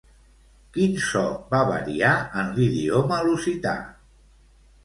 Quin so va variar en l'idioma lusità?